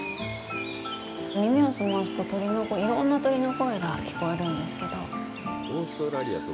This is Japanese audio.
耳を澄ますといろんな鳥の声が聞こえるんですけど。